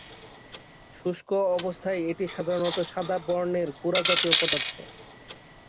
শুষ্ক অবস্থায় এটি সাধারণত সাদা বর্ণের গুড়াজাতীয় পদার্থ।